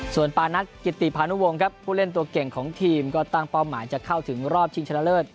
ส่วนปานัทกิติพานุวงครับผู้เล่นตัวเก่งของทีมก็ตั้งเป้าหมายจะเข้าถึงรอบชิงชนะเลิศ